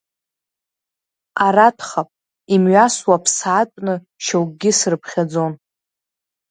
Аратәхап, имҩасуа ԥсаатәны шьоукгьы срыԥхьаӡон.